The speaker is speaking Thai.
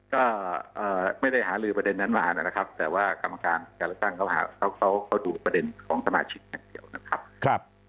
ก็ไม่ได้หาลือประเด็นนั้นมานะครับแต่ว่ากรรมการการเลือกตั้งเขาเขาดูประเด็นของสมาชิกอย่างเดียวนะครับ